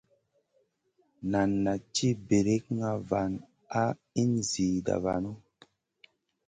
Nan naʼ ci brikŋa van a in zida vanu.